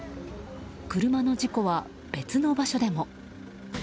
車の事故は、別の場所でも。